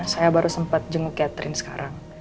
saya baru sempat jenguk catherine sekarang